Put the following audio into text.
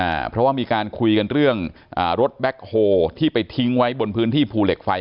อ่าเพราะว่ามีการคุยกันเรื่องอ่ารถแบ็คโฮที่ไปทิ้งไว้บนพื้นที่ภูเหล็กไฟ